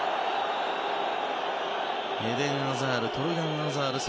エデン・アザールトルガン・アザール